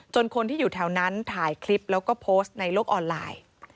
คนที่อยู่แถวนั้นถ่ายคลิปแล้วก็โพสต์ในโลกออนไลน์